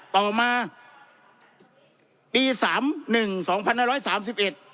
ต่อมาปีสามหนึ่งสองพันห้าร้อยสามสิบเอ็ด